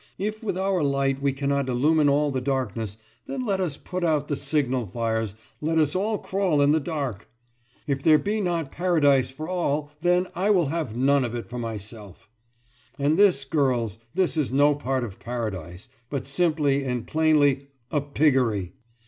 If with our light we cannot illumine all the darkness, then let us put out the signal fires, let us all crawl in the dark! If there be not paradise for all, then I will have none for myself! And this, girls, this is no part of paradise, but simply and plainly a piggery!